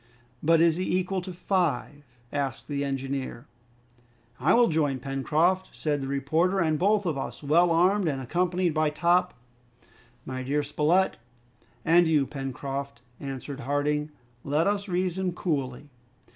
"But is he equal to five?" asked the engineer. "I will join Pencroft," said the reporter, "and both of us, well armed and accompanied by Top " "My dear Spilett, and you, Pencroft," answered Harding, "let us reason coolly.